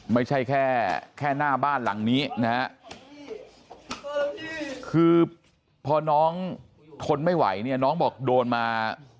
ไม่ใช่แค่แค่หน้าบ้านหลังนี้นะฮะคือพอน้องทนไม่ไหวเนี่ยน้องบอกโดนมา